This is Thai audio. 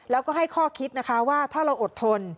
แล้วก็ให้ข้อคิดนะคะว่าถ้าเราอดทน